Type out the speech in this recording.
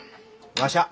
わしゃあ